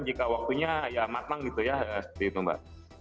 jika waktunya ya matang gitu ya seperti itu mbak